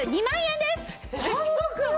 半額！？